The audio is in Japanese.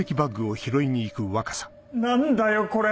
何だよこれ！